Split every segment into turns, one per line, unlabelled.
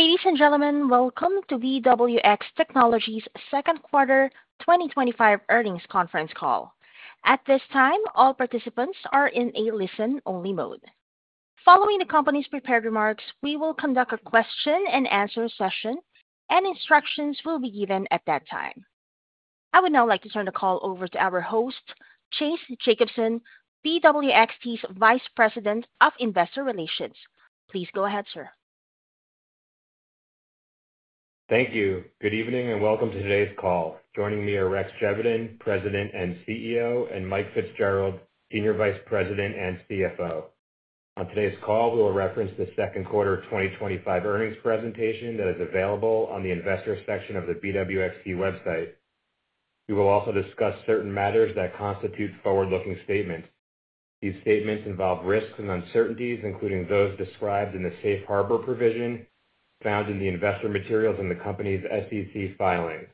Ladies and gentlemen, welcome to BWX Technologies' second quarter 2025 earnings conference call. At this time, all participants are in a listen-only mode. Following the company's prepared remarks, we will conduct a question-and-answer session, and instructions will be given at that time. I would now like to turn the call over to our host, Chase Jacobson, BWXT's Vice President of Investor Relations. Please go ahead, sir.
Thank you. Good evening and welcome to today's call. Joining me are Rex Geveden, President and CEO, and Mike Fitzgerald, Senior Vice President and CFO. On today's call, we will reference the second quarter 2025 earnings presentation that is available on the Investors section of the BWXT website. We will also discuss certain matters that constitute forward-looking statements. These statements involve risks and uncertainties, including those described in the Safe Harbor provision found in the investor materials in the company's SEC filing.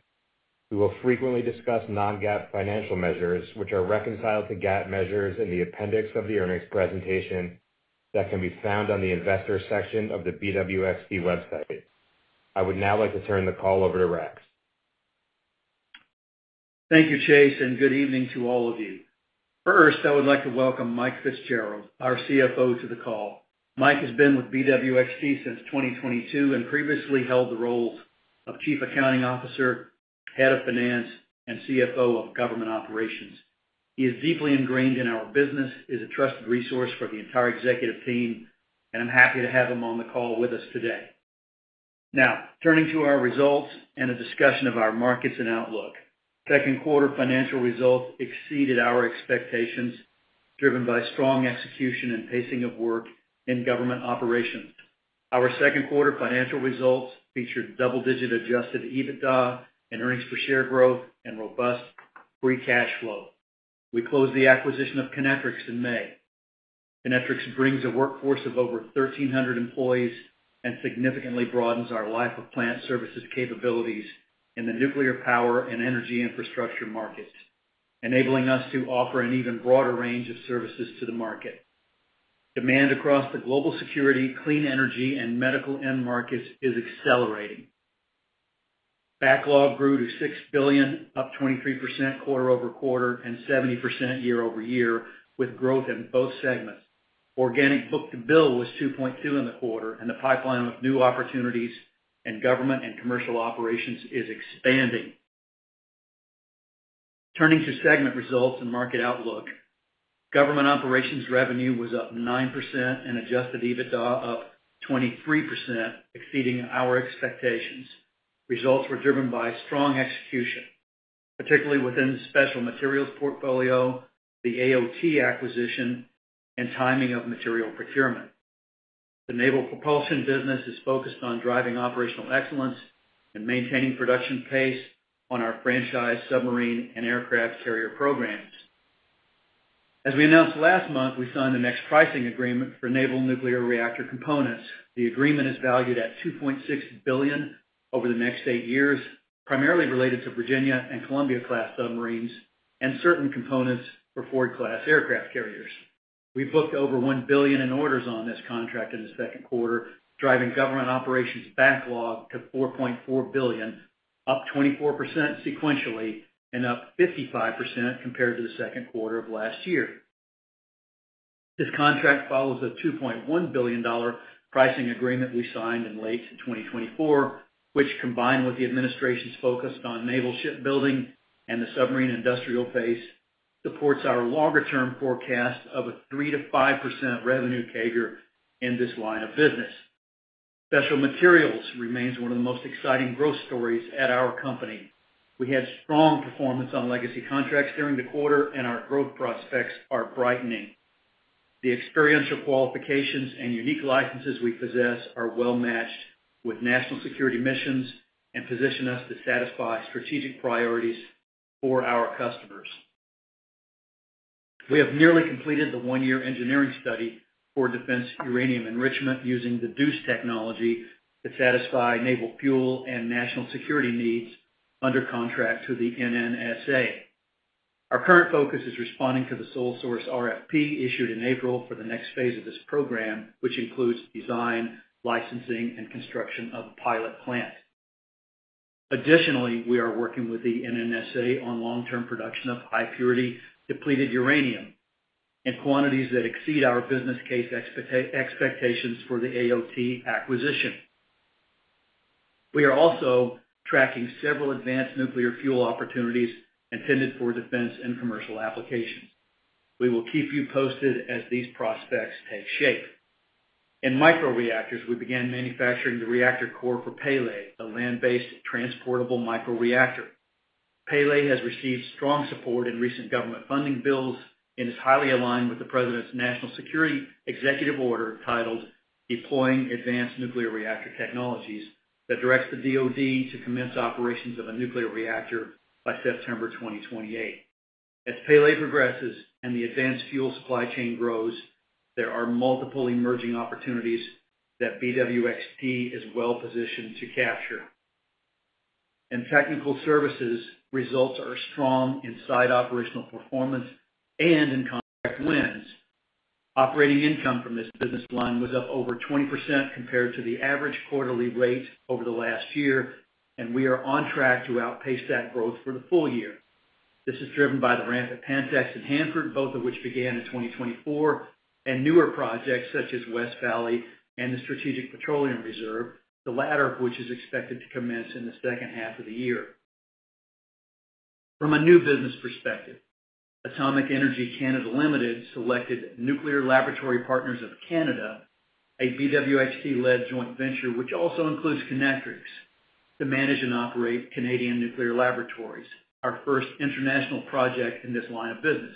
We will frequently discuss non-GAAP financial measures, which are reconciled to GAAP measures in the appendix of the earnings presentation that can be found on the Investors section of the BWXT website. I would now like to turn the call over to Rex.
Thank you, Chase, and good evening to all of you. First, I would like to welcome Mike Fitzgerald, our CFO, to the call. Mike has been with BWXT since 2022 and previously held the roles of Chief Accounting Officer, Head of Finance, and CFO of Government Operations. He is deeply ingrained in our business, is a trusted resource for the entire executive team, and I'm happy to have him on the call with us today. Now, turning to our results and a discussion of our markets and outlook, second quarter financial results exceeded our expectations, driven by strong execution and pacing of work in Government Operations. Our second quarter financial results featured double-digit adjusted EBITDA and earnings per share growth and robust free cash flow. We closed the acquisition of Kinectrics in May. Kinectrics brings a workforce of over 1,300 employees and significantly broadens our life-of-plant services capabilities in the nuclear power and energy infrastructure markets, enabling us to offer an even broader range of services to the market. Demand across the global security, clean energy, and medical end markets is accelerating. Backlog grew to $6 billion, up 23% quarter-over-quarter and 70% year-over-year with growth in both segments. Organic book-to-bill was 2.2 in the quarter, and the pipeline of new opportunities in government and commercial operations is expanding. Turning to segment results and market outlook, Government Operations revenue was up 9% and adjusted EBITDA up 23%, exceeding our expectations. Results were driven by strong execution, particularly within the special materials portfolio, the A.O.T. acquisition, and timing of material procurement. The naval propulsion business is focused on driving operational excellence and maintaining production pace on our franchise submarine and aircraft carrier programs. As we announced last month, we signed the next pricing agreement for naval nuclear reactor components. The agreement is valued at $2.6 billion over the next eight years, primarily related to Virginia and Columbia-class submarines and certain components for Ford-class aircraft carriers. We booked over $1 billion in orders on this contract in the second quarter, driving Government Operations backlog to $4.4 billion, up 24% sequentially, and up 55% compared to the second quarter of last year. This contract follows a $2.1 billion pricing agreement we signed in late 2024, which, combined with the administration's focus on naval shipbuilding and the submarine industrial pace, supports our longer-term forecast of a 3%-5% revenue caveat in this line of business. Special materials remains one of the most exciting growth stories at our company. We had strong performance on legacy contracts during the quarter, and our growth prospects are brightening. The experiential qualifications and unique licenses we possess are well-matched with national security missions and position us to satisfy strategic priorities for our customers. We have nearly completed the one-year engineering study for defense uranium enrichment using the [dual use] technology to satisfy naval fuel and national security needs under contract to the NNSA. Our current focus is responding to the sole source RFP issued in April for the next phase of this program, which includes design, licensing, and construction of a pilot plant. Additionally, we are working with the NNSA on long-term production of high-purity depleted uranium in quantities that exceed our business case expectations for the A.O.T. acquisition. We are also tracking several advanced nuclear fuel opportunities intended for defense and commercial application. We will keep you posted as these prospects take shape. In microreactors, we began manufacturing the reactor core for Pele, a land-based transportable microreactor. Pele has received strong support in recent government funding bills and is highly aligned with the President's National Security Executive Order titled "Deploying Advanced Nuclear Reactor Technologies" that directs the DOD to commence operations of a nuclear reactor by September 2028. As Pele progresses and the advanced fuel supply chain grows, there are multiple emerging opportunities that BWXT is well positioned to capture. In technical services, results are strong in site operational performance and in contract wins. Operating income from this business line was up over 20% compared to the average quarterly rate over the last year, and we are on track to outpace that growth for the full year. This is driven by the ramp at Pantex and Hanford, both of which began in 2024, and newer projects such as West Valley and the Strategic Petroleum Reserve, the latter of which is expected to commence in the second half of the year. From a new business perspective, Atomic Energy Canada Limited selected Nuclear Laboratory Partners of Canada, a BWXT-led joint venture which also includes Kinectrics, to manage and operate Canadian nuclear laboratories, our first international project in this line of business.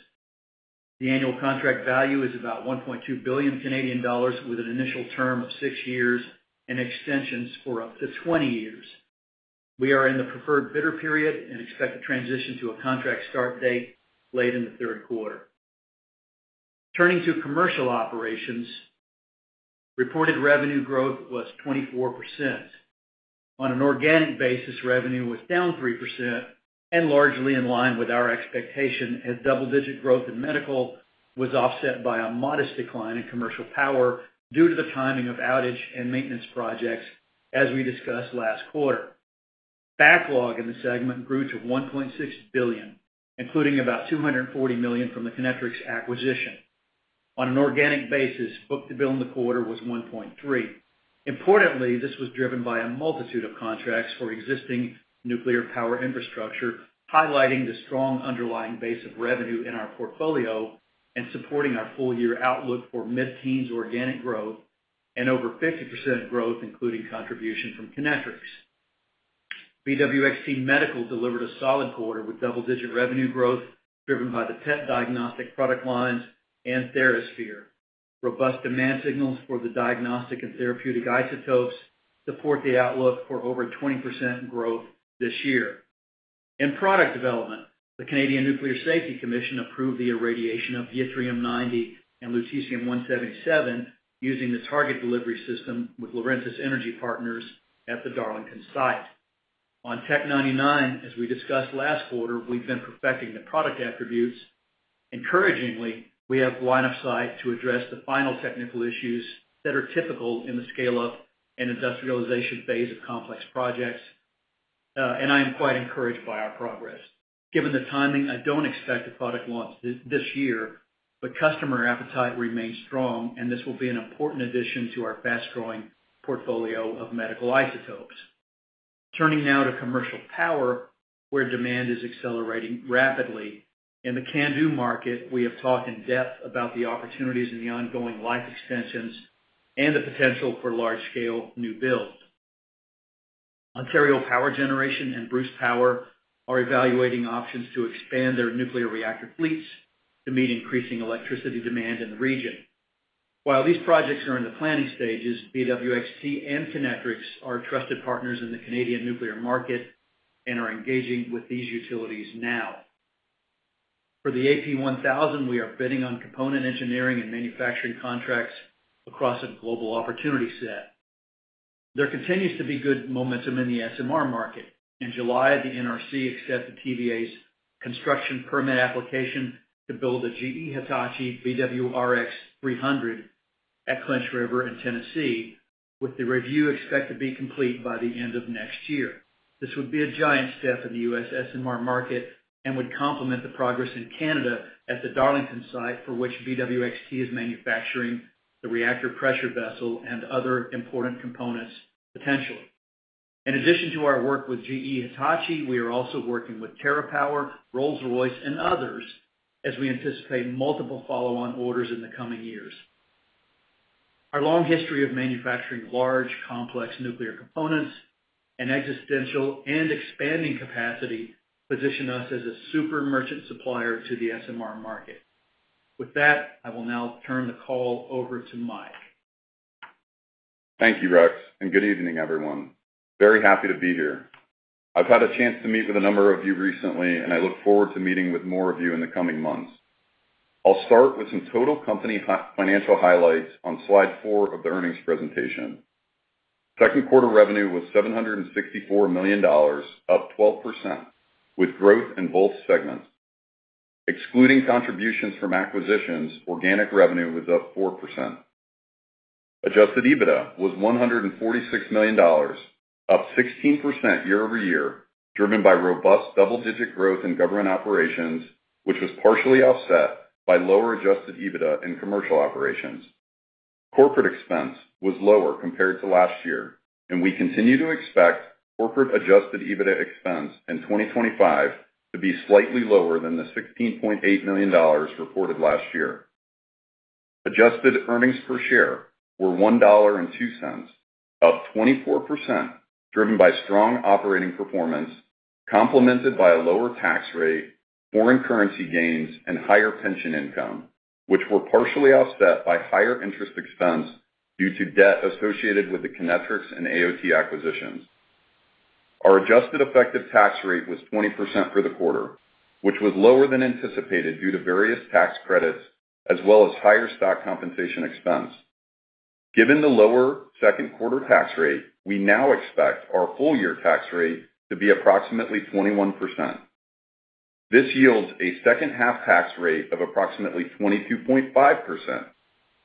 The annual contract value is about 1.2 billion Canadian dollars with an initial term of six years and extensions for up to 20 years. We are in the preferred bidder period and expect to transition to a contract start date late in the third quarter. Turning to commercial operations, reported revenue growth was 24%. On an organic basis, revenue was down 3% and largely in line with our expectation as double-digit growth in medical was offset by a modest decline in commercial power due to the timing of outage and maintenance projects as we discussed last quarter. Backlog in the segment grew to $1.6 billion, including about $240 million from the Kinectrics acquisition. On an organic basis, book-to-bill in the quarter was 1.3. Importantly, this was driven by a multitude of contracts for existing nuclear power infrastructure, highlighting the strong underlying base of revenue in our portfolio and supporting our full-year outlook for mid-teens organic growth and over 50% growth, including contribution from Kinectrics. BWXT Medical delivered a solid quarter with double-digit revenue growth driven by the PET diagnostic product lines and TheraSphere. Robust demand signals for the diagnostic and therapeutic isotopes support the outlook for over 20% growth this year. In product development, the Canadian Nuclear Safety Commission approved the irradiation of U-3M-90 and Lutetium-177 using the target delivery system with Laurentis Energy Partners at the Darlington site. On PET 99, as we discussed last quarter, we've been perfecting the product attributes. Encouragingly, we have line of sight to address the final technical issues that are typical in the scale-up and industrialization phase of complex projects, and I am quite encouraged by our progress. Given the timing, I don't expect a product launch this year, but customer appetite remains strong, and this will be an important addition to our fast-growing portfolio of medical isotopes. Turning now to commercial power, where demand is accelerating rapidly. In the CANDU market, we have talked in depth about the opportunities in the ongoing life extensions and the potential for large-scale new builds. Ontario Power Generation and Bruce Power are evaluating options to expand their nuclear reactor fleets to meet increasing electricity demand in the region. While these projects are in the planning stages, BWXT and Kinectrics are trusted partners in the Canadian nuclear market and are engaging with these utilities now. For the AP1000, we are bidding on component engineering and manufacturing contracts across a global opportunity set. There continues to be good momentum in the SMR market. In July, the NRC accepted TVA's construction permit application to build the GE Hitachi BWRX-300 at Clinch River in Tennessee, with the review expected to be complete by the end of next year. This would be a giant step in the U.S. SMR market and would complement the progress in Canada at the Darlington site for which BWXT is manufacturing the reactor pressure vessel and other important components potentially. In addition to our work with GE Hitachi, we are also working with TerraPower, Rolls-Royce, and others as we anticipate multiple follow-on orders in the coming years. Our long history of manufacturing large complex nuclear components and existing and expanding capacity position us as a super emergent supplier to the SMR market. With that, I will now turn the call over to Mike.
Thank you, Rex, and good evening, everyone. Very happy to be here. I've had a chance to meet with a number of you recently, and I look forward to meeting with more of you in the coming months. I'll start with some total company financial highlights on slide four of the earnings presentation. Second quarter revenue was $764 million, up 12% with growth in both segments. Excluding contributions from acquisitions, organic revenue was up 4%. Adjusted EBITDA was $146 million, up 16% year-over-year, driven by robust double-digit growth in government operations, which was partially offset by lower adjusted EBITDA in commercial operations. Corporate expense was lower compared to last year, and we continue to expect corporate adjusted EBITDA expense in 2025 to be slightly lower than the $16.8 million reported last year. Adjusted earnings per share were $1.02, up 24%, driven by strong operating performance, complemented by a lower tax rate, foreign currency gains, and higher pension income, which were partially offset by higher interest expense due to debt associated with the Kinectrics and A.O.T. acquisitions. Our adjusted effective tax rate was 20% for the quarter, which was lower than anticipated due to various tax credits, as well as higher stock compensation expense. Given the lower second quarter tax rate, we now expect our full-year tax rate to be approximately 21%. This yields a second half tax rate of approximately 22.5%,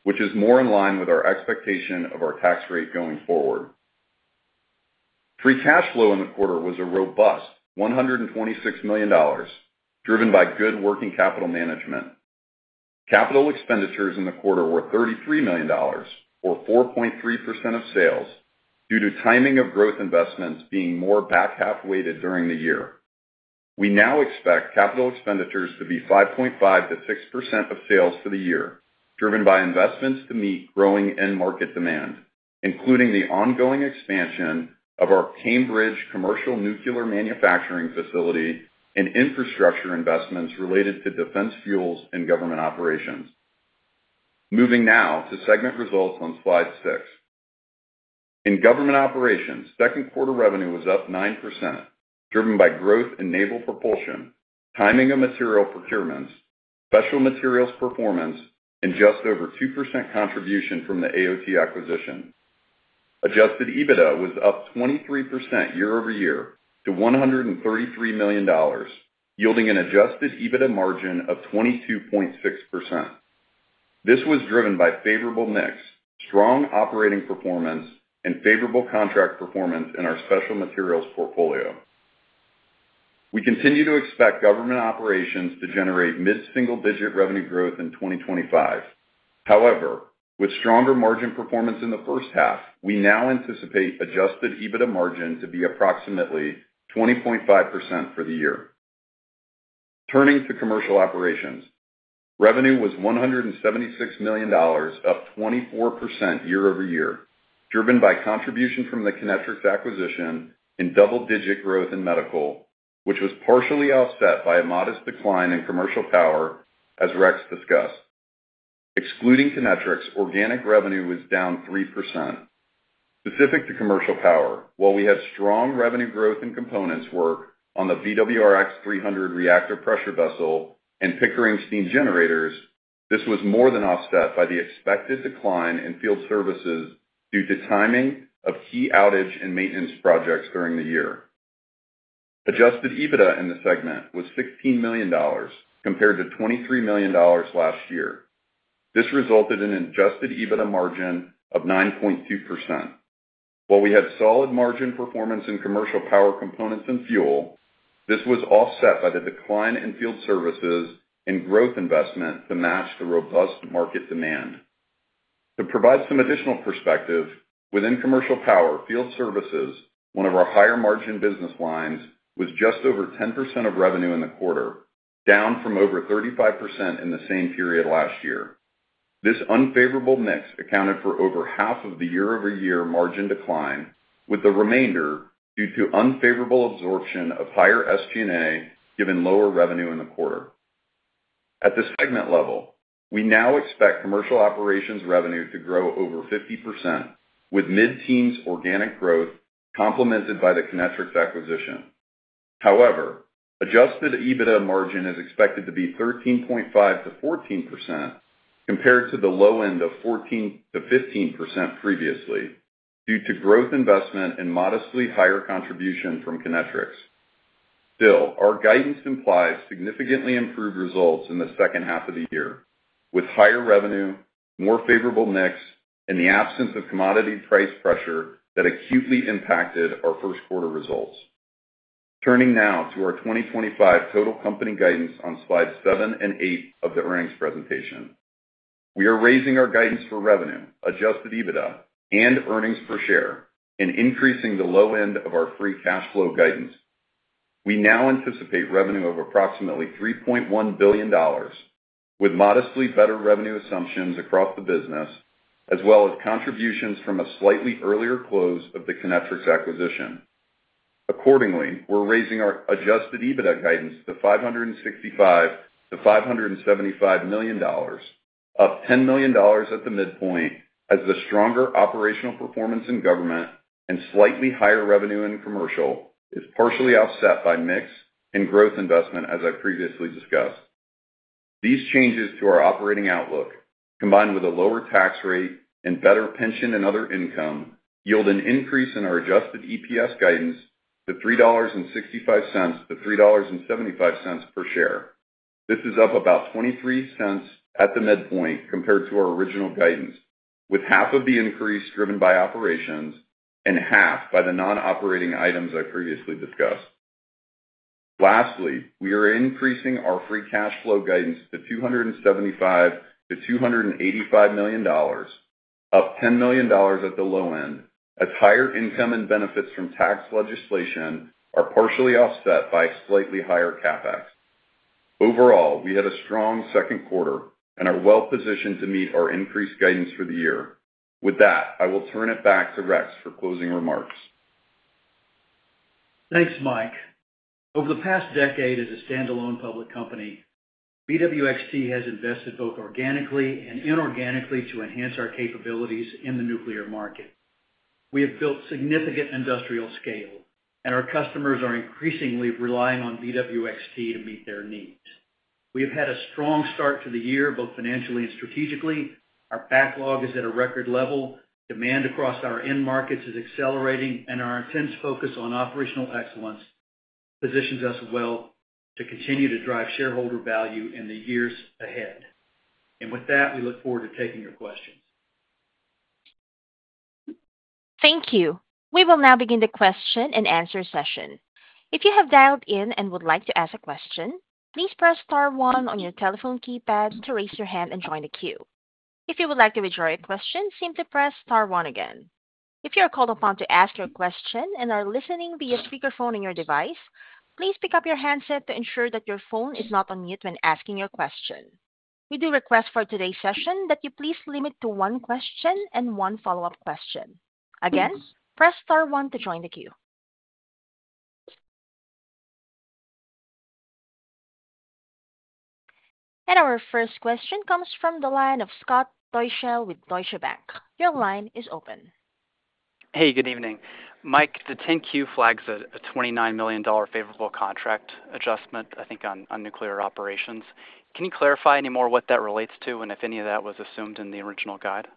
which is more in line with our expectation of our tax rate going forward. Free cash flow in the quarter was a robust $126 million, driven by good working capital management. Capital expenditures in the quarter were $33 million, or 4.3% of sales, due to timing of growth investments being more back half weighted during the year. We now expect capital expenditures to be 5.5%-6% of sales for the year, driven by investments to meet growing end market demand, including the ongoing expansion of our Cambridge Commercial Nuclear Manufacturing Facility and infrastructure investments related to defense fuels and government operations. Moving now to segment results on slide six. In government operations, second quarter revenue was up 9%, driven by growth in naval propulsion, timing of material procurements, special materials performance, and just over 2% contribution from the A.O.T. acquisition. Adjusted EBITDA was up 23% year-over-year to $133 million, yielding an adjusted EBITDA margin of 22.6%. This was driven by favorable mix, strong operating performance, and favorable contract performance in our special materials portfolio. We continue to expect government operations to generate mid-single-digit revenue growth in 2025. However, with stronger margin performance in the first half, we now anticipate adjusted EBITDA margin to be approximately 20.5% for the year. Turning to commercial operations, revenue was $176 million, up 24% year-over-year, driven by contribution from the Kinectrics acquisition and double-digit growth in medical, which was partially offset by a modest decline in commercial power, as Rex discussed. Excluding Kinectrics, organic revenue was down 3%. Specific to commercial power, while we had strong revenue growth in components work on the BWRX-300 reactor pressure vessel and Pickering steam generators, this was more than offset by the expected decline in field services due to timing of key outage and maintenance projects during the year. Adjusted EBITDA in the segment was $16 million compared to $23 million last year. This resulted in an adjusted EBITDA margin of 9.2%. While we had solid margin performance in commercial power components and fuel, this was offset by the decline in field services and growth investment to match the robust market demand. To provide some additional perspective, within commercial power, field services, one of our higher margin business lines, was just over 10% of revenue in the quarter, down from over 35% in the same period last year. This unfavorable mix accounted for over half of the year-over-year margin decline, with the remainder due to unfavorable absorption of higher SG&A, given lower revenue in the quarter. At the segment level, we now expect commercial operations revenue to grow over 50%, with mid-teens organic growth complemented by the Kinectrics acquisition. However, adjusted EBITDA margin is expected to be 13.5%-14% compared to the low end of 14%-15% previously due to growth investment and modestly higher contribution from Kinectrics. Still, our guidance implies significantly improved results in the second half of the year, with higher revenue, more favorable mix, and the absence of commodity price pressure that acutely impacted our first quarter results. Turning now to our 2025 total company guidance on slides seven and eight of the earnings presentation. We are raising our guidance for revenue, adjusted EBITDA, and earnings per share and increasing the low end of our free cash flow guidance. We now anticipate revenue of approximately $3.1 billion, with modestly better revenue assumptions across the business, as well as contributions from a slightly earlier close of the Kinectrics acquisition. Accordingly, we're raising our adjusted EBITDA guidance to $565 million-$575 million, up $10 million at the midpoint, as the stronger operational performance in government and slightly higher revenue in commercial is partially offset by mix and growth investment, as I previously discussed. These changes to our operating outlook, combined with a lower tax rate and better pension and other income, yield an increase in our adjusted EPS guidance to $3.65-$3.75 per share. This is up about $0.23 at the midpoint compared to our original guidance, with half of the increase driven by operations and half by the non-operating items I previously discussed. Lastly, we are increasing our free cash flow guidance to $275 million-$285 million, up $10 million at the low end, as higher income and benefits from tax legislation are partially offset by a slightly higher CapEx. Overall, we had a strong second quarter and are well positioned to meet our increased guidance for the year. With that, I will turn it back to Rex for closing remarks.
Thanks, Mike. Over the past decade, as a standalone public company, BWXT has invested both organically and inorganically to enhance our capabilities in the nuclear market. We have built significant industrial scale, and our customers are increasingly relying on BWXT to meet their needs. We have had a strong start to the year, both financially and strategically. Our backlog is at a record level, demand across our end markets is accelerating, and our intense focus on operational excellence positions us well to continue to drive shareholder value in the years ahead. We look forward to taking your questions.
Thank you. We will now begin the question-and-answer session. If you have dialed in and would like to ask a question, please press star one on your telephone keypad to raise your hand and join the queue. If you would like to withdraw your question, simply press star one again. If you are called upon to ask your question and are listening via speakerphone on your device, please pick up your handset to ensure that your phone is not on mute when asking your question. We do request for today's session that you please limit to one question and one follow-up question. Again, press star one to join the queue. Our first question comes from the line of Scott Deuschle with Deutsche Bank. Your line is open.
Hey, good evening. Mike, the 10-Q flags a $29 million favorable contract adjustment, I think, on nuclear operations. Can you clarify any more what that relates to and if any of that was assumed in the original guide?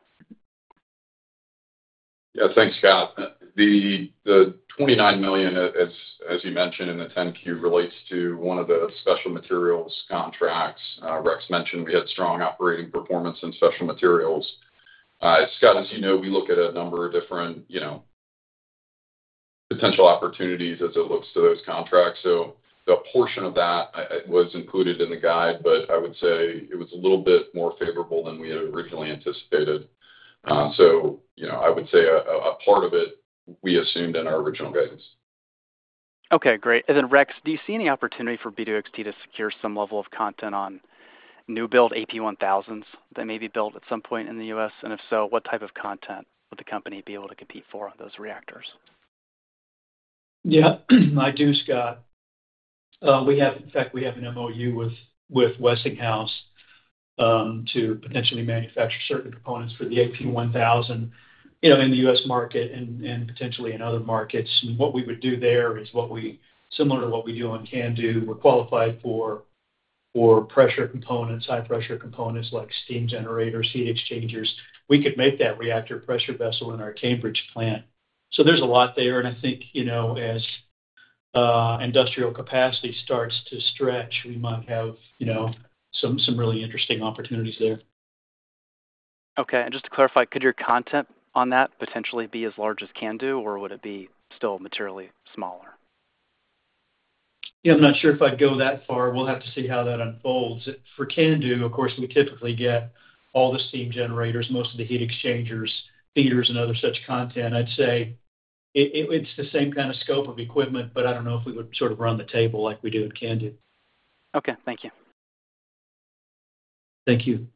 Yeah, thanks, Scott. The $29 million, as you mentioned in the 10-Q, relates to one of the special materials contracts. Rex mentioned we had strong operating performance in special materials. Scott, as you know, we look at a number of different potential opportunities as it looks to those contracts. A portion of that was included in the guide, but I would say it was a little bit more favorable than we had originally anticipated. I would say a part of it we assumed in our original guidance.
Okay, great. Rex, do you see any opportunity for BWXT to secure some level of content on new build AP1000s that may be built at some point in the U.S.? If so, what type of content would the company be able to compete for on those reactors?
Yeah, I do, Scott. We have, in fact, we have an MOU with Westinghouse to potentially manufacture certain components for the AP1000, you know, in the U.S. market and potentially in other markets. What we would do there is what we, similar to what we do on CANDU, we're qualified for pressure components, high-pressure components like steam generators, heat exchangers. We could make that reactor pressure vessel in our Cambridge plant. There's a lot there. I think, you know, as industrial capacity starts to stretch, we might have, you know, some really interesting opportunities there.
Okay. Just to clarify, could your content on that potentially be as large as CANDU, or would it be still materially smaller?
Yeah, I'm not sure if I'd go that far. We'll have to see how that unfolds. For CANDU, of course, we typically get all the steam generators, most of the heat exchangers, feeders, and other such content. I'd say it's the same kind of scope of equipment, but I don't know if we would sort of run the table like we do at CANDU.
Okay, thank you.
Thank you.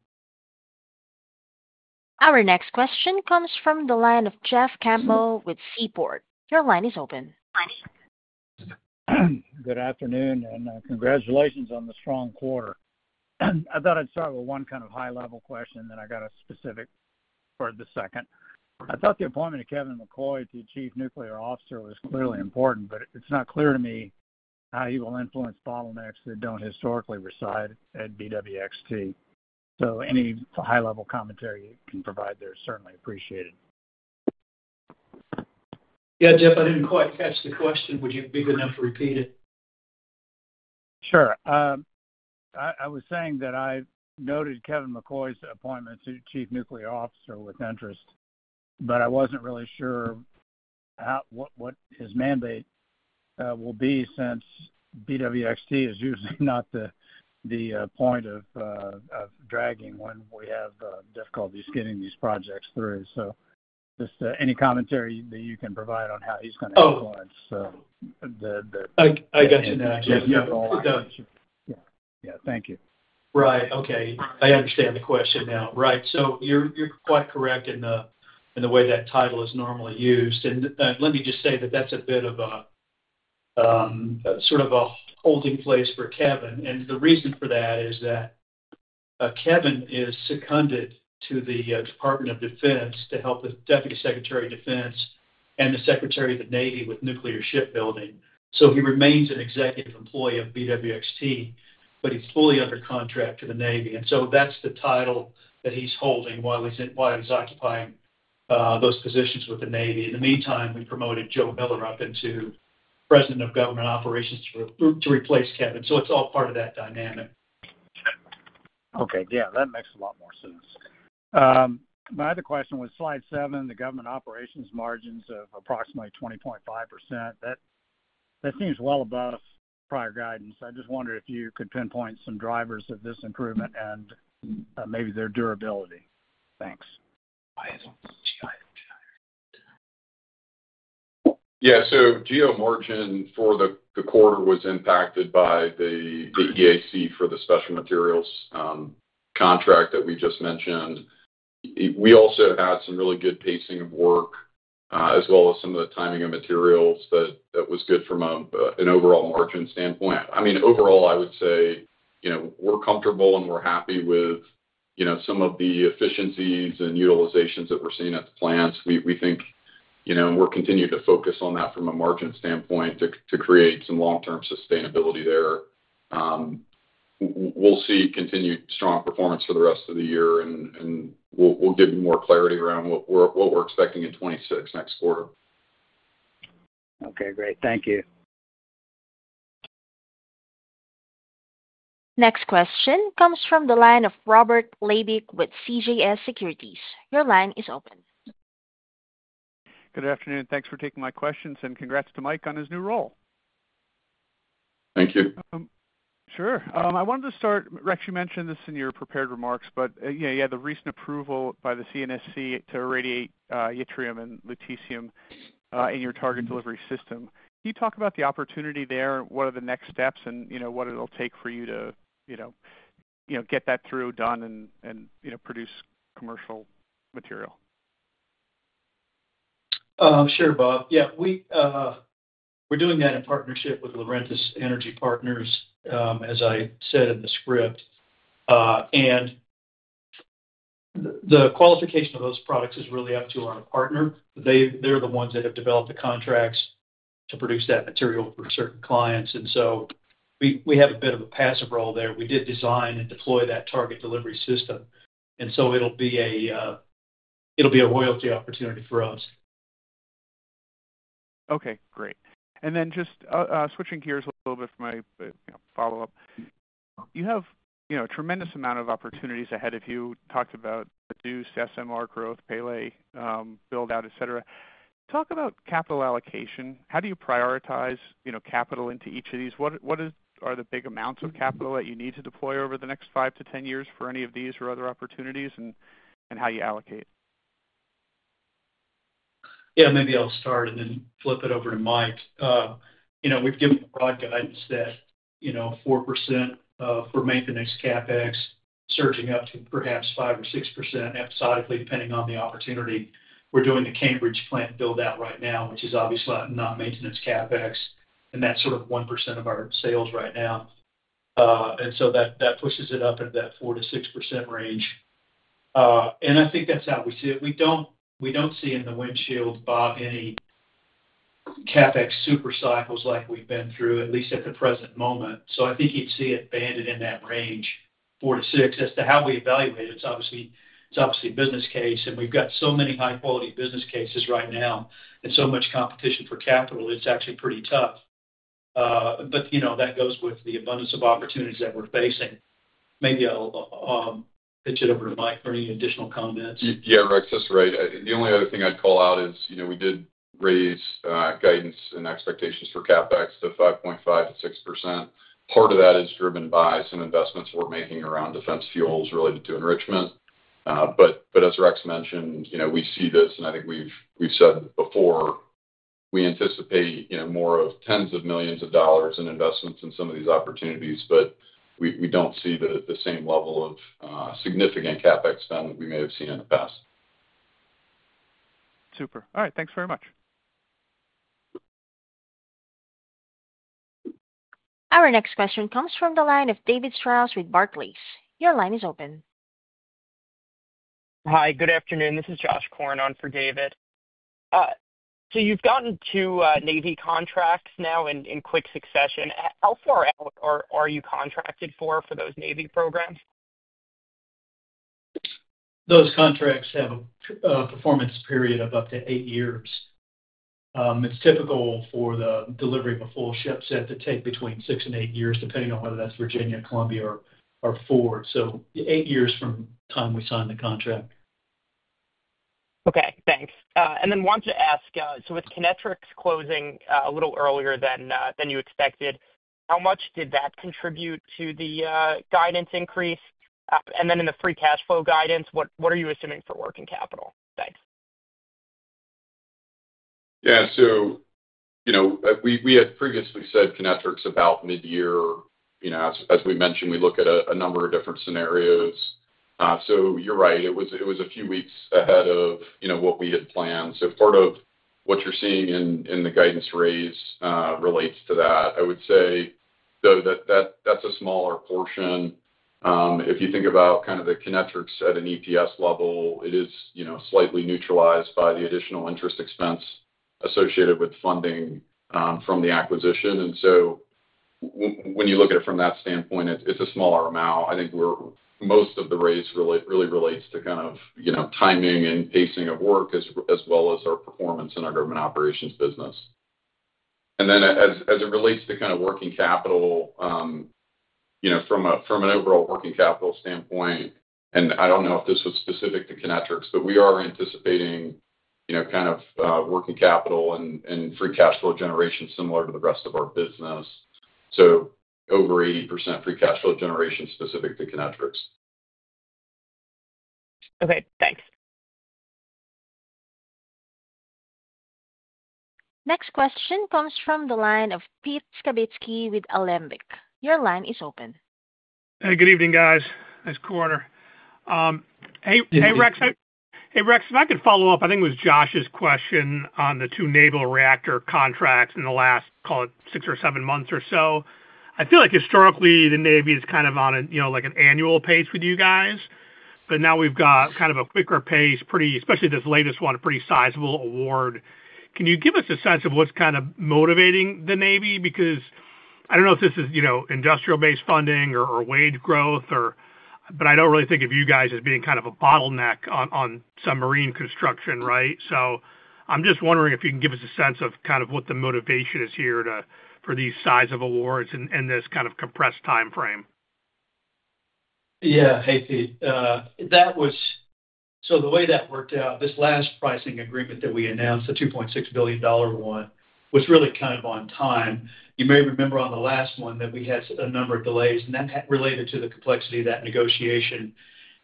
Our next question comes from the line of Jeff Campbell with Seaport. Your line is open.
Good afternoon, and congratulations on the strong quarter. I thought I'd start with one kind of high-level question, and then I got a specific for the second. I thought the appointment of Kevin McCoy to the Chief Nuclear Officer was clearly important, but it's not clear to me how he will influence bottlenecks that don't historically reside at BWXT. Any high-level commentary you can provide there is certainly appreciated.
Yeah, Jeff, I didn't quite catch the question. Would you be good enough to repeat it?
Sure. I was saying that I noted Kevin McCoy's appointment to Chief Nuclear Officer with interest, but I wasn't really sure what his mandate will be since BWXT is usually not the point of dragging when we have difficulties getting these projects through. Just any commentary that you can provide on how he's going to influence the.
I got you now, Jeff.
Thank you.
Right. Okay. I understand the question now. You're quite correct in the way that title is normally used. Let me just say that that's a bit of a sort of a holding place for Kevin. The reason for that is that Kevin is seconded to the Department of Defense to help with Deputy Secretary of Defense and the Secretary of the Navy with nuclear shipbuilding. He remains an executive employee of BWXT, but he's fully under contract to the Navy. That's the title that he's holding while he's occupying those positions with the Navy. In the meantime, we promoted Joe Miller up into President of Government Operations to replace Kevin. It's all part of that dynamic.
Okay. Yeah, that makes a lot more sense. My other question was slide seven, the government operations margins of approximately 20.5%. That seems well above prior guidance. I just wondered if you could pinpoint some drivers of this improvement and maybe their durability. Thanks.
Yeah. Gross margin for the quarter was impacted by the EAC for the special materials contract that we just mentioned. We also had some really good pacing of work, as well as some of the timing of materials that was good from an overall margin standpoint. I mean, overall, I would say we're comfortable and we're happy with some of the efficiencies and utilizations that we're seeing at the plants. We think, and we'll continue to focus on that from a margin standpoint to create some long-term sustainability there. We'll see continued strong performance for the rest of the year, and we'll give you more clarity around what we're expecting in 2026 next quarter.
Okay, great. Thank you.
Next question comes from the line of Robert Labick with CJS Securities. Your line is open.
Good afternoon. Thanks for taking my questions, and congrats to Mike on his new role.
Thank you.
Sure. I wanted to start, Rex, you mentioned this in your prepared remarks, but you had the recent approval by the CNSC to irradiate yttrium and lutetium in your target delivery system. Can you talk about the opportunity there and what are the next steps and what it'll take for you to get that through, done, and produce commercial material?
Sure, Bob. Yeah, we're doing that in partnership with Laurentis Energy Partners, as I said in the script. The qualification of those products is really up to our partner. They're the ones that have developed the contracts to produce that material for certain clients, so we have a bit of a passive role there. We did design and deploy that target delivery system, so it'll be a loyalty opportunity for us.
Okay, great. Just switching gears a little bit for my follow-up. You have, you know, a tremendous amount of opportunities ahead of you. Talked about the DOD SMR growth, Pele build-out, et cetera. Talk about capital allocation. How do you prioritize, you know, capital into each of these? What are the big amounts of capital that you need to deploy over the next 5-10 years for any of these or other opportunities and how you allocate?
Yeah, maybe I'll start and then flip it over to Mike. We've given broad guidance that 4% for maintenance CapEx surging up to perhaps 5% or 6% episodically, depending on the opportunity. We're doing the Cambridge plant build-out right now, which is obviously not maintenance CapEx, and that's sort of 1% of our sales right now. That pushes it up into that 4%-6% range. I think that's how we see it. We don't see in the windshield, Bob, any CapEx super cycles like we've been through, at least at the present moment. I think you'd see it banded in that range, 4%-6%. As to how we evaluate it, it's obviously a business case, and we've got so many high-quality business cases right now and so much competition for capital, it's actually pretty tough. That goes with the abundance of opportunities that we're facing. Maybe I'll pitch it over to Mike for any additional comments.
Yeah, Rex, that's right. The only other thing I'd call out is, you know, we did raise guidance and expectations for CapEx to 5.5%-6%. Part of that is driven by some investments we're making around defense fuels related to enrichment. As Rex mentioned, you know, we see this, and I think we've said it before, we anticipate more of tens of millions of dollars in investments in some of these opportunities, but we don't see the same level of significant CapEx spend like we may have seen in the past.
Super. All right. Thanks very much.
Our next question comes from the line of David Strauss with Barclays. Your line is open.
Hi. Good afternoon. This is Josh Korn on for David. You've gotten two Navy contracts now in quick succession. How far out are you contracted for those Navy programs?
Those contracts have a performance period of up to eight years. It's typical for the delivery of a full ship set to take between six and eight years, depending on whether that's Virginia, Columbia, or Ford. Eight years from the time we signed the contract.
Okay. Thanks. I wanted to ask, with Kinectrics closing a little earlier than you expected, how much did that contribute to the guidance increase? In the free cash flow guidance, what are you assuming for working capital? Thanks.
Yeah. We had previously said Kinectrics about mid-year. As we mentioned, we look at a number of different scenarios. You're right. It was a few weeks ahead of what we had planned. Part of what you're seeing in the guidance raise relates to that. I would say, though, that that's a smaller portion. If you think about kind of the Kinectrics at an EPS level, it is slightly neutralized by the additional interest expense associated with funding from the acquisition. When you look at it from that standpoint, it's a smaller amount. I think where most of the raise really relates to timing and pacing of work as well as our performance in our government operations business. As it relates to working capital, from an overall working capital standpoint, and I don't know if this was specific to Kinectrics, we are anticipating kind of working capital and free cash flow generation similar to the rest of our business. Over 80% free cash flow generation specific to Kinectrics.
Okay. Thanks.
Next question comes from the line of Pete Skibitski with Alembic. Your line is open.
Hey, good evening, guys. Nice quarter. Hey, Rex. If I could follow up, I think it was Josh's question on the two naval reactor contracts in the last, call it, six or seven months or so. I feel like historically, the Navy is kind of on a, you know, like an annual pace with you guys, but now we've got kind of a quicker pace, pretty, especially this latest one, a pretty sizable award. Can you give us a sense of what's kind of motivating the Navy? Because I don't know if this is, you know, industrial-base funding or wage growth, but I don't really think of you guys as being kind of a bottleneck on submarine construction, right? I'm just wondering if you can give us a sense of kind of what the motivation is here for these size of awards in this kind of compressed timeframe. Yeah.
Hey, Pete. The way that worked out, this last pricing agreement that we announced, the $2.6 billion one, was really kind of on time. You may remember on the last one that we had a number of delays, and that related to the complexity of that negotiation.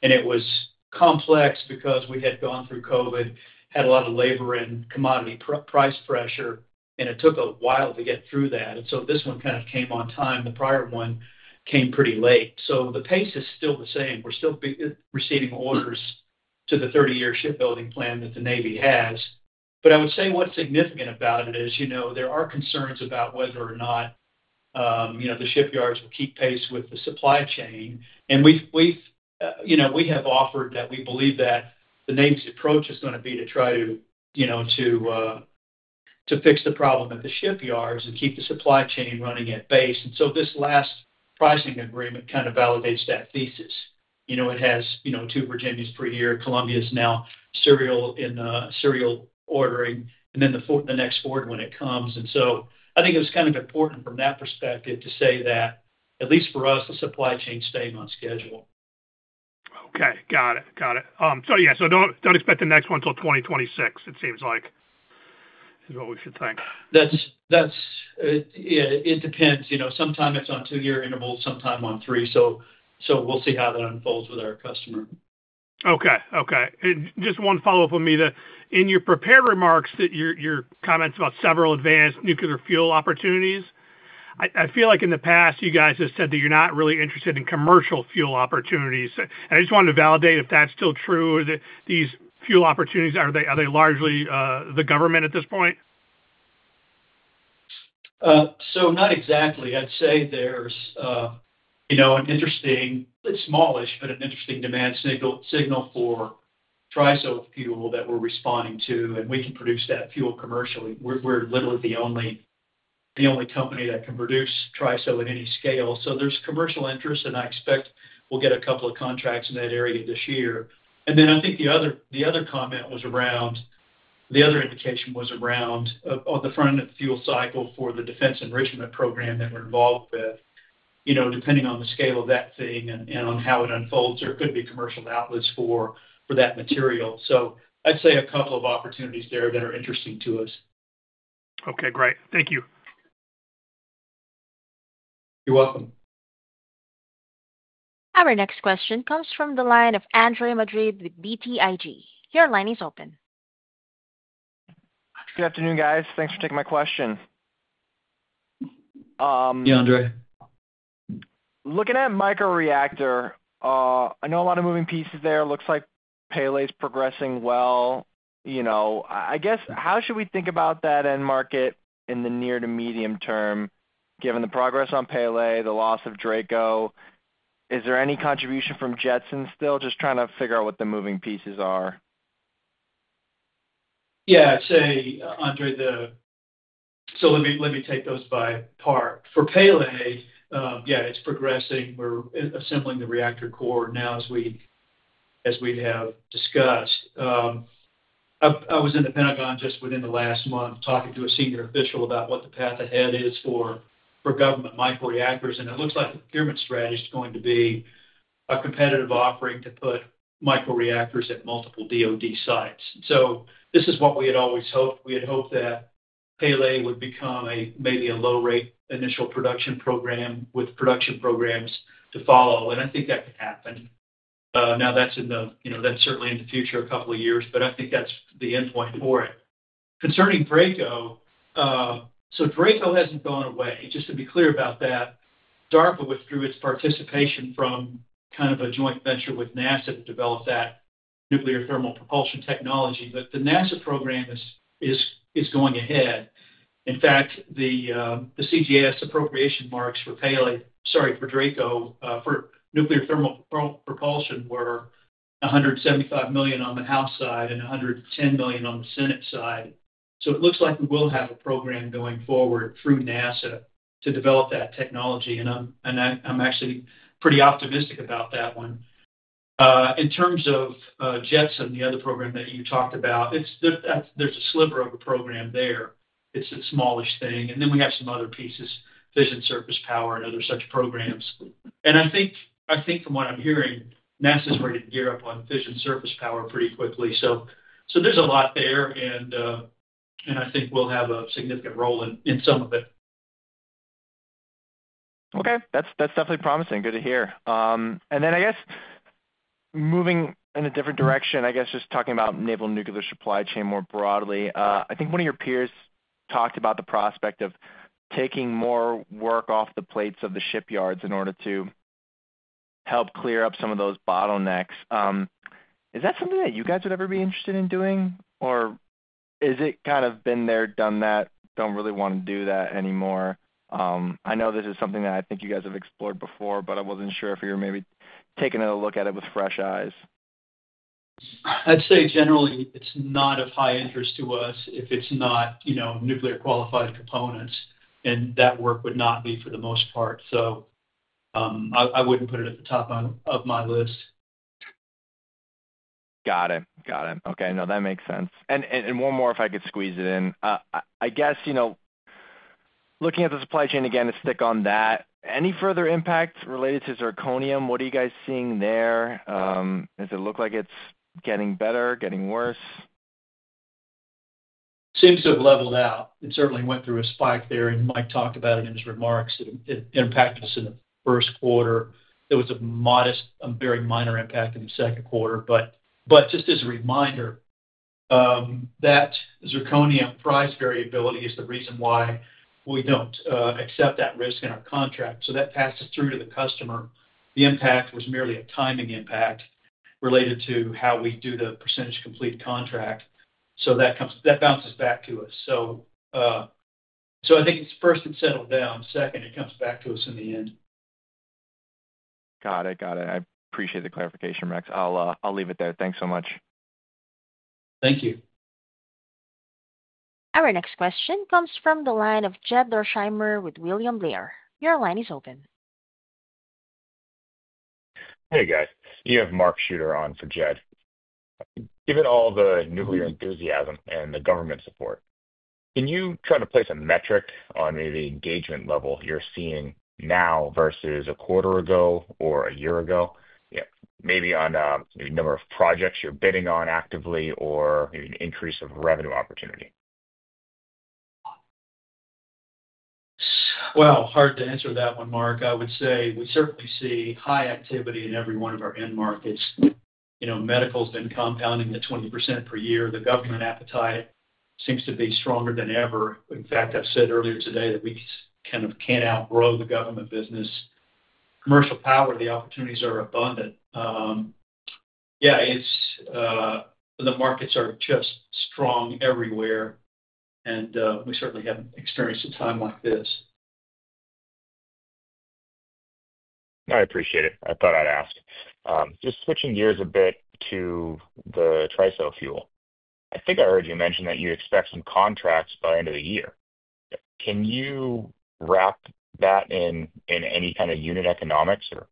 It was complex because we had gone through COVID, had a lot of labor and commodity price pressure, and it took a while to get through that. This one kind of came on time. The prior one came pretty late. The pace is still the same. We're still receiving orders to the 30-year shipbuilding plan that the Navy has. I would say what's significant about it is, you know, there are concerns about whether or not the shipyards would keep pace with the supply chain. We have offered that we believe that the Navy's approach is going to be to try to fix the problem in the shipyards and keep the supply chain running at base. This last pricing agreement kind of validates that thesis. It has two Virginia's per year. Columbia's now serial in the serial ordering, and then the next Ford when it comes. I think it was kind of important from that perspective to say that, at least for us, the supply chain is staying on schedule. Okay. Got it. Got it. So yeah, so don't expect the next one until 2026, it seems like, is what we should think. That's, that's. It depends. Sometimes it's on two-year intervals, sometimes on three. We'll see how that unfolds with our customer.
Okay. Okay. And just one follow-up on me. In your prepared remarks, your comments about several advanced nuclear fuel opportunities, I feel like in the past, you guys have said that you're not really interested in commercial fuel opportunities. I just wanted to validate if that's still true, that these fuel opportunities, are they largely the government at this point?
Not exactly. I'd say there's, you know, an interesting, it's smallish, but an interesting demand signal for TRISO fuel that we're responding to, and we can produce that fuel commercially. We're literally the only company that can produce TRISO at any scale. There's commercial interest, and I expect we'll get a couple of contracts in that area this year. I think the other comment was around, the other indication was around on the front-end fuel cycle for the Defense Enrichment Program that we're involved with. Depending on the scale of that thing and on how it unfolds, there could be commercial outlets for that material. I'd say a couple of opportunities there that are interesting to us.
Okay. Great. Thank you.
You're welcome.
Our next question comes from the line of Andre Madrid with BTIG. Your line is open.
Good afternoon, guys. Thanks for taking my question.
Yeah, Andre.
Looking at microreactor, I know a lot of moving pieces there. It looks like Pele is progressing well. You know, I guess how should we think about that end market in the near to medium term, given the progress on Pele, the loss of DRACO? Is there any contribution from JETSON still? Just trying to figure out what the moving pieces are.
Yeah, I'd say, Andrea, let me take those by part. For Pele, yeah, it's progressing. We're assembling the reactor core now, as we have discussed. I was in the Pentagon just within the last month talking to a senior official about what the path ahead is for government microreactors. It looks like the procurement strategy is going to be a competitive offering to put microreactors at multiple DOD sites. This is what we had always hoped. We had hoped that Pele would become maybe a low-rate initial production program with production programs to follow. I think that could happen. Now that's certainly in the future a couple of years, but I think that's the endpoint for it. Concerning DRACO, DRACO hasn't gone away. Just to be clear about that, DARPA withdrew its participation from kind of a joint venture with NASA to develop that nuclear thermal propulsion technology. The NASA program is going ahead. In fact, the CGS appropriation marks for Pele—sorry, for DRACO, for nuclear thermal propulsion were $175 million on the House side and $110 million on the Senate side. It looks like we will have a program going forward through NASA to develop that technology. I'm actually pretty optimistic about that one. In terms of JETSON, the other program that you talked about, there's a sliver of a program there. It's a smallish thing. We have some other pieces, Fission Surface Power and other such programs. I think from what I'm hearing, NASA's ready to gear up on Fission Surface Power pretty quickly. There's a lot there, and I think we'll have a significant role in some of it.
Okay. That's definitely promising. Good to hear. I guess, moving in a different direction, just talking about naval nuclear supply chain more broadly, I think one of your peers talked about the prospect of taking more work off the plates of the shipyards in order to help clear up some of those bottlenecks. Is that something that you guys would ever be interested in doing, or is it kind of been there, done that, don't really want to do that anymore? I know this is something that I think you guys have explored before, but I wasn't sure if you were maybe taking a look at it with fresh eyes.
I'd say generally, it's not of high interest to us if it's not, you know, nuclear-qualified components, and that work would not be for the most part. I wouldn't put it at the top of my list.
Got it. Okay. No, that makes sense. One more, if I could squeeze it in. I guess, you know, looking at the supply chain again, let's stick on that. Any further impact related to zirconium? What are you guys seeing there? Does it look like it's getting better, getting worse?
It seems to have leveled out. It certainly went through a spike there, and Mike talked about it in his remarks that it impacted us in the first quarter. There was a modest, a very minor impact in the second quarter. Just as a reminder, that zirconium price variability is the reason why we don't accept that risk in our contract. That passes through to the customer. The impact was merely a timing impact related to how we do the percentage complete contract. That comes, that bounces back to us. I think first it's settled down. Second, it comes back to us in the end.
Got it. Got it. I appreciate the clarification, Rex. I'll leave it there. Thanks so much.
Thank you.
Our next question comes from the line of Jed Dorsheimer with William Blair. Your line is open. Hey, guys. You have [Mark Schutter] on for Jed. Given all the nuclear enthusiasm and the government support, can you try to place a metric on the engagement level you're seeing now versus a quarter ago or a year ago? Maybe on the number of projects you're bidding on actively or maybe an increase of revenue opportunity.
is hard to answer that one, Mark. I would say we certainly see high activity in every one of our end markets. You know, medical's been compounding at 20% per year. The government appetite seems to be stronger than ever. In fact, I've said earlier today that we kind of can't outgrow the government business. Commercial power, the opportunities are abundant. The markets are just strong everywhere, and we certainly haven't experienced a time like this. I appreciate it. I thought I'd ask. Just switching gears a bit to the TRISO fuel. I think I heard you mention that you expect some contracts by the end of the year. Can you wrap that in any kind of unit economics or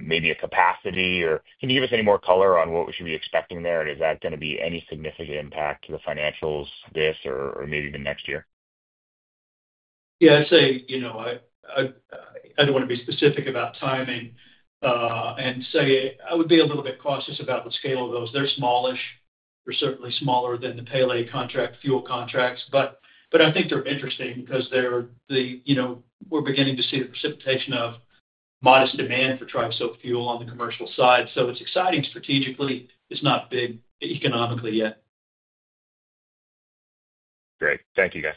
maybe a capacity, or can you give us any more color on what you should be expecting there, and is that going to be any significant impact to the financials, this, or maybe even next year? Yeah, I'd say, you know, I don't want to be specific about timing, and I'd be a little bit cautious about the scale of those. They're smallish. They're certainly smaller than the Pele contract fuel contracts. I think they're interesting because we're beginning to see the precipitation of modest demand for TRISO fuel on the commercial side. It's exciting strategically. It's not big economically yet. Great. Thank you, guys.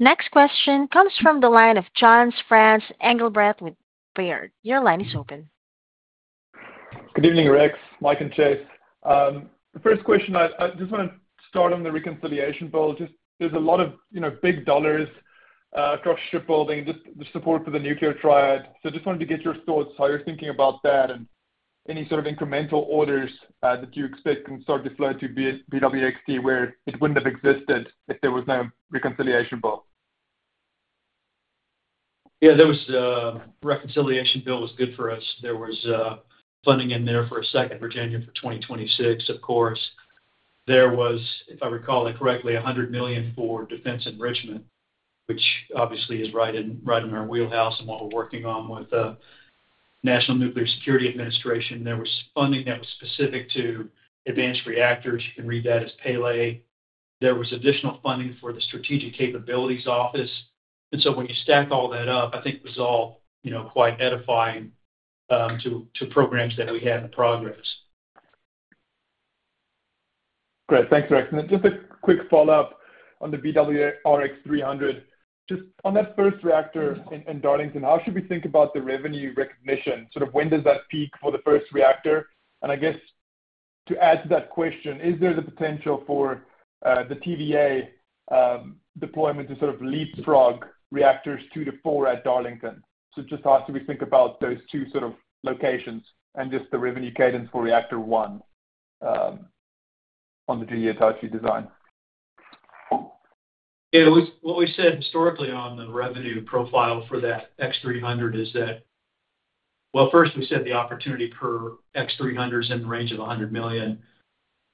Next question comes from the line of Jan-Frans Engelbrecht with Baird. Your line is open.
Good evening, Rex, Mike, and Chase. The first question, I just want to start on the reconciliation bill. There is a lot of, you know, big dollars across shipbuilding and just the support for the nuclear triad. I just wanted to get your thoughts, how you're thinking about that, and any sort of incremental orders that you expect can start to flow to BWXT where it wouldn't have existed if there was no reconciliation bill.
Yeah, the reconciliation bill was good for us. There was funding in there for a second Virginia for 2026, of course. There was, if I recall it correctly, $100 million for defense enrichment, which obviously is right in our wheelhouse and what we're working on with the National Nuclear Security Administration. There was funding that was specific to advanced reactors. You can read that as Pele. There was additional funding for the Strategic Capabilities Office. When you stack all that up, I think it was all, you know, quite edifying to programs that we had in progress.
Great. Thanks, Rex. And then just a quick follow-up on the BWRX-300. Just on that first reactor in Darlington, how should we think about the revenue recognition? Sort of when does that peak for the first reactor? I guess to add to that question, is there the potential for the TVA deployment to sort of leapfrog reactors two to four at Darlington? How should we think about those two locations and just the revenue cadence for reactor one on the GE Hitachi design?
Yeah. What we said historically on the revenue profile for that X300 is that, first, we said the opportunity per X300 is in the range of $100 million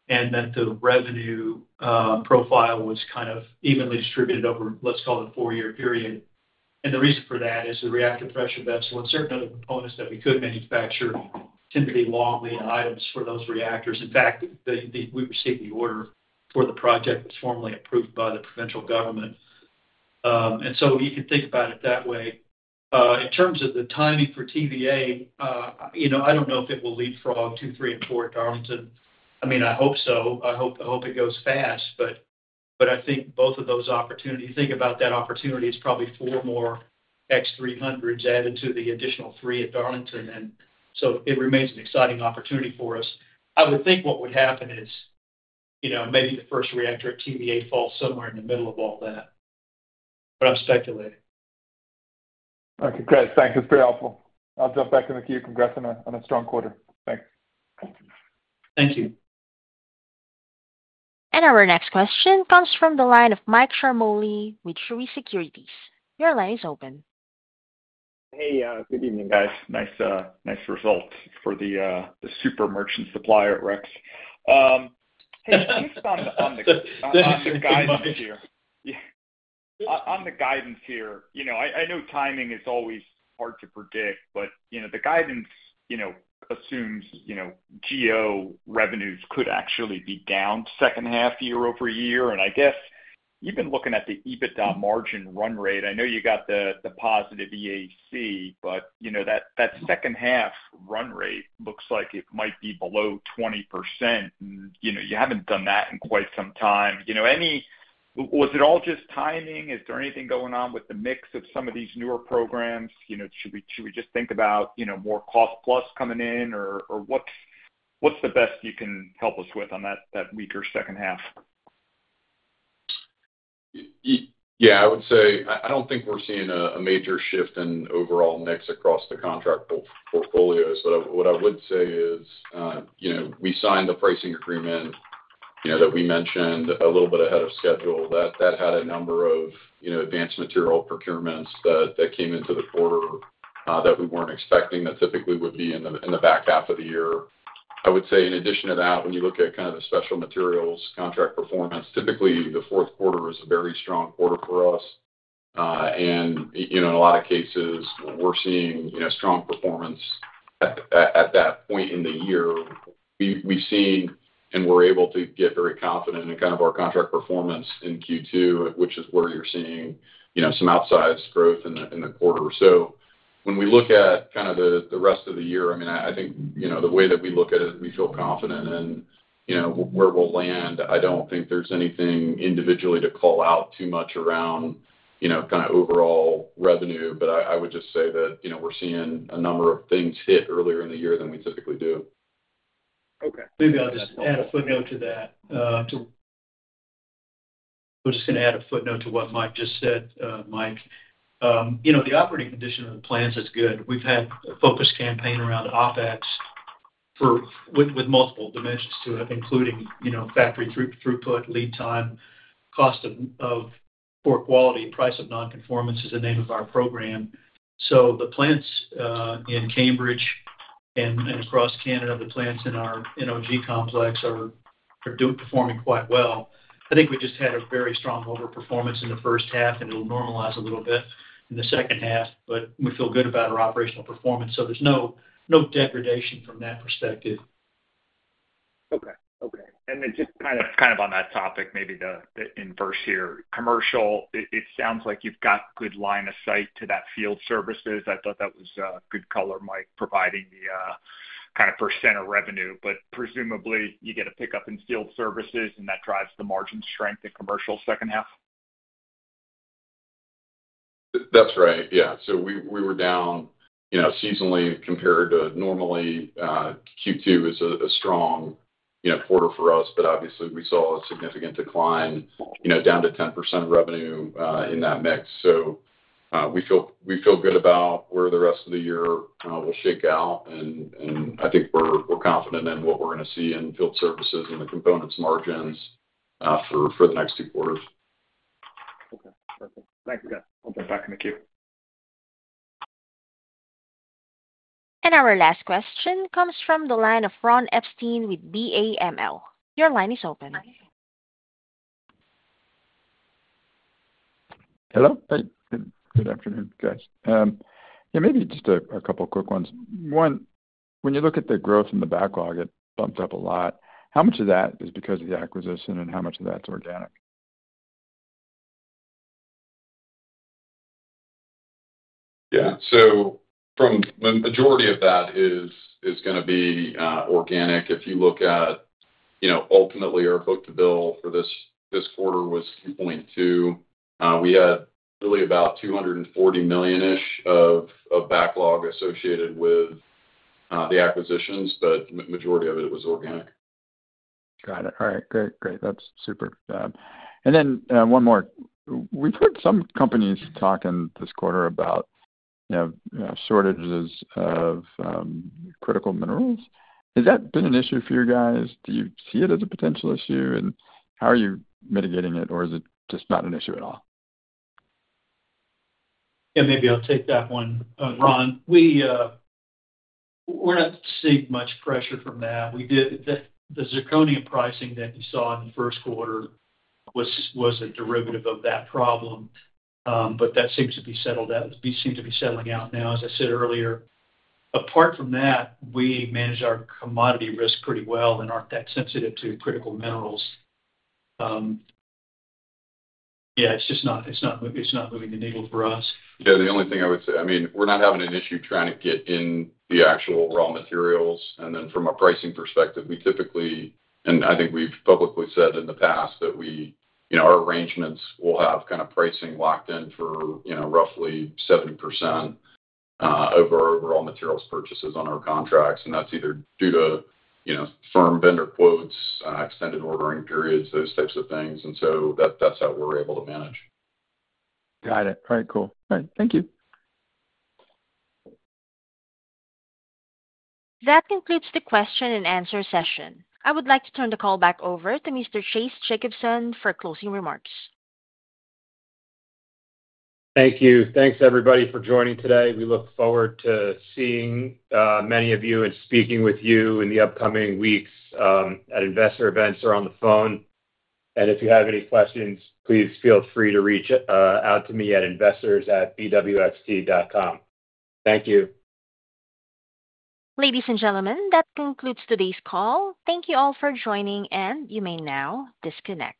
and that the revenue profile was kind of evenly distributed over, let's call it, a four-year period. The reason for that is the reactor pressure vessel and certain other components that we couldn't manufacture tend to be long-lead items for those reactors. In fact, we received the order for the project that was formally approved by the provincial government. You can think about it that way. In terms of the timing for TVA, I don't know if it will leapfrog two, three, and four at Darlington. I mean, I hope so. I hope it goes fast. I think both of those opportunities, you think about that opportunity, it's probably four more X300s added to the additional three at Darlington. It remains an exciting opportunity for us. I would think what would happen is, maybe the first reactor at TVA falls somewhere in the middle of all that. I'm speculating.
Okay. Great. Thanks. That's very helpful. I'll jump back in the queue. Congrats on a strong quarter. Thanks.
Thank you.
Our next question comes from the line of Mike Ciarmoli with Truist Securities. Your line is open.
Hey, good evening, guys. Nice results for the super merchant supplier, Rex. Hey, can you respond on the guidance here? On the guidance here, you know, I know timing is always hard to predict, but the guidance assumes GEO revenues could actually be down second half year-over-year. I guess even looking at the EBITDA margin run rate, I know you got the positive EAC, but that second half run rate looks like it might be below 20%. You haven't done that in quite some time. Was it all just timing? Is there anything going on with the mix of some of these newer programs? Should we just think about more cost plus coming in, or what's the best you can help us with on that weaker second half?
Yeah, I would say I don't think we're seeing a major shift in overall mix across the contract portfolios. What I would say is, you know, we signed the pricing agreement, you know, that we mentioned a little bit ahead of schedule. That had a number of, you know, advanced material procurements that came into the quarter that we weren't expecting that typically would be in the back half of the year. In addition to that, when you look at kind of the special materials contract performance, typically the fourth quarter is a very strong quarter for us. In a lot of cases, we're seeing, you know, strong performance at that point in the year. We've seen and we're able to get very confident in kind of our contract performance in Q2, which is where you're seeing, you know, some outsized growth in the quarter. When we look at kind of the rest of the year, I mean, I think, you know, the way that we look at it, we feel confident in, you know, where we'll land. I don't think there's anything individually to call out too much around, you know, kind of overall revenue. I would just say that, you know, we're seeing a number of things hit earlier in the year than we typically do.
Maybe I'll just add a footnote to that. I was just going to add a footnote to what Mike just said, Mike. You know, the operating condition of the plants is good. We've had a focus campaign around OpEx with multiple dimensions to it, including, you know, factory throughput, lead time, cost of poor quality, price of non-performance is the name of our program. The plants in Cambridge and across Canada, the plants in our NOG complex are performing quite well. I think we just had a very strong overperformance in the first half, and it'll normalize a little bit in the second half, but we feel good about our operational performance. There's no degradation from that perspective.
Okay. And then just kind of on that topic, maybe the inverse here, commercial, it sounds like you've got a good line of sight to that field services. I thought that was a good color, Mike, providing the kind of % of revenue. Presumably, you get a pickup in field services, and that drives the margin strength in commercial second half.
That's right. We were down seasonally compared to normally. Q2 is a strong quarter for us, but obviously, we saw a significant decline, down to 10% revenue in that mix. We feel good about where the rest of the year will shake out. I think we're confident in what we're going to see in field services and the components margins for the next two quarters.
Thanks, guys. I'll jump back in the queue.
Our last question comes from the line of Ron Epstein with BAML. Your line is open.
Hello? Good afternoon, guys. Maybe just a couple of quick ones. One, when you look at the growth in the backlog, it bumped up a lot. How much of that is because of the acquisition, and how much of that's organic?
Yeah. The majority of that is going to be organic. If you look at, you know, ultimately, our book to bill for this quarter was 0.2. We had really about $240 million-ish of backlog associated with the acquisitions, but the majority of it was organic.
Got it. All right. Great. That's super. One more. We've heard some companies talking this quarter about, you know, shortages of critical minerals. Has that been an issue for you guys? Do you see it as a potential issue, and how are you mitigating it, or is it just not an issue at all?
I'll take that one, Ron. We're not seeing much pressure from that. The zirconium pricing that you saw in the first quarter was a derivative of that problem, but that seems to be settled out. We seem to be settling out now. As I said earlier, apart from that, we manage our commodity risk pretty well and aren't that sensitive to critical minerals. It's just not moving the needle for us.
Yeah. The only thing I would say, I mean, we're not having an issue trying to get in the actual raw materials. From a pricing perspective, we typically, and I think we've publicly said in the past that we, you know, our arrangements will have kind of pricing locked in for, you know, roughly 70% over our raw materials purchases on our contracts. That's either due to firm vendor quotes, extended ordering periods, those types of things. That's how we're able to manage.
Got it. All right. Thank you.
That concludes the question and answer session. I would like to turn the call back over to Mr. Chase Jacobson for closing remarks.
Thank you. Thanks, everybody, for joining today. We look forward to seeing many of you and speaking with you in the upcoming week at investor events or on the phone. If you have any questions, please feel free to reach out to me at investors@bwxt.com. Thank you.
Ladies and gentlemen, that concludes today's call. Thank you all for joining, and you may now disconnect.